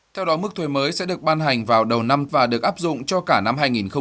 theo đó mức thuế mới sẽ được ban hành vào đầu năm và được áp dụng cho cả năm hai nghìn một mươi chín